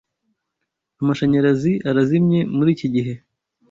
Amashanyarazi arazimye muriki gihe.